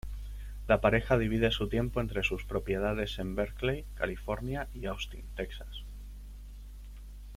La pareja divide su tiempo entre sus propiedades en Berkeley, California, y Austin, Texas.